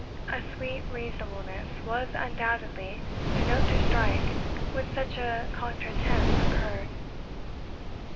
A sweet reasonableness was undoubtedly the note to strike when such a contretemps occurred.